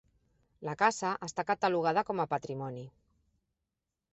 La casa està catalogada com a patrimoni.